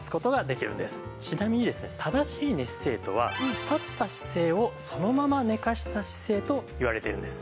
ちなみにですね正しい寝姿勢とは立った姿勢をそのまま寝かせた姿勢といわれているんです。